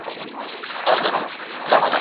د شريعت قوانين بايد په سمه توګه روښانه سي.